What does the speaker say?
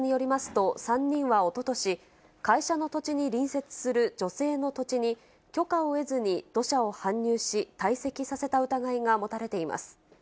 警察によりますと、３人はおととし、会社の土地に隣接する女性の土地に、許可を得ずに土砂を搬入し、堆積させた疑いが持たれています。